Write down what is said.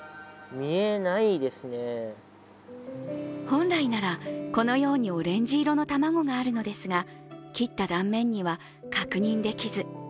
本来ならこのようにオレンジ色の卵があるのですが切った断面には確認できず。